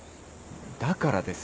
だからですね。